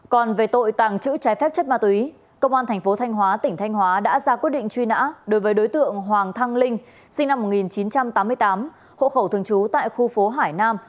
đối với đối tượng hoàng thăng linh sinh năm một nghìn chín trăm tám mươi tám hộ khẩu thường trú tại khu phố hải nam